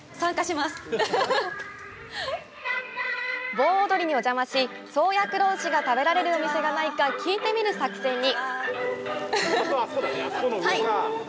盆踊りにお邪魔し、宗谷黒牛が食べられるお店がないか聞いてみる作戦に！